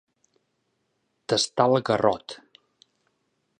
Tastar el garrot.